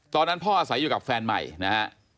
ตอนนั้นพ่ออาศัยอยู่กับแฟนใหม่นะฮะ